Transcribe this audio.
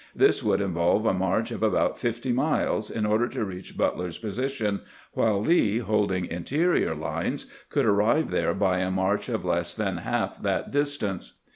This would involve a march of about fifty miles in order to reach Butler's position, while Lee, holding interior lines, could arrive there by a march of less than half that distance.